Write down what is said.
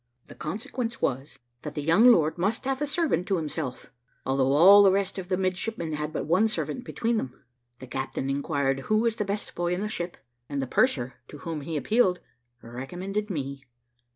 The consequence was, that the young lord must have a servant to himself, although all the rest of the midshipmen had but one servant between them. The captain inquired who was the best boy in the ship, and the purser, to whom he appealed, recommended me.